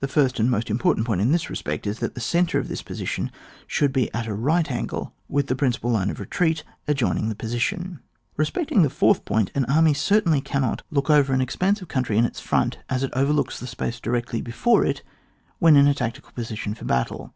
The first and most important point in this respect is that the centre of the position should be at a right angle with the principal line of retreat adjoining the position. Bespecting the fourth point, an army certainly cannot look over an expanse of IS ON WAR, [book t. country in its front as it overlooks the space directly before it when in a tactical position for battle.